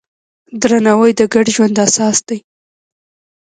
درناوی د ګډ ژوند اساس دی.